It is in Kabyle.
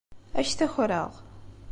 Ad ak-t-akreɣ.